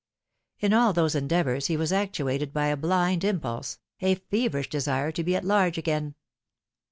In all those endeavours he was actuated by a blind impulse a feverish desire to be at large again.